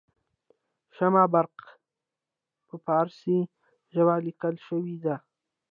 شمه بارقه په پارسي ژبه لیکل شوې ده.